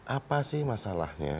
apa sih masalahnya